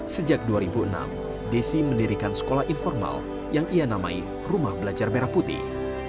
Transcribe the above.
sejak dua ribu enam desi mendirikan sekolah informal yang ia namai rumah belajar merah putih